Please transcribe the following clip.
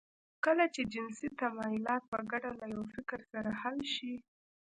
کله چې جنسي تمايلات په ګډه له يوه فکر سره حل شي.